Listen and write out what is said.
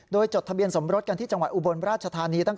โดยจดทะเบียนสมรสกันที่จังหวัดอุบลราชธานี